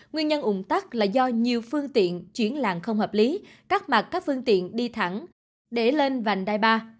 nguyên nhân ủng tắc là do nhiều phương tiện chuyển làng không hợp lý cắt mặt các phương tiện đi thẳng để lên vành đai ba